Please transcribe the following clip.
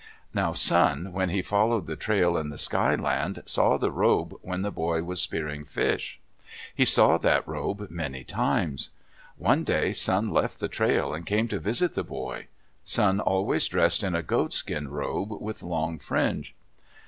Now Sun, when he followed the trail in the Sky Land, saw the robe when the boy was spearing fish. He saw that robe many times. One day Sun left the trail and came to visit the boy. Sun always dressed in a goatskin robe, with long fringe.